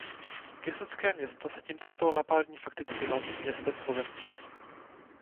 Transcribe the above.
Kysucké město se tímto stalo na pár dní fakticky hlavním městem Slovenska.